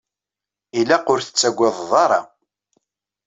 Ilaq ur tettaggadeḍ ara.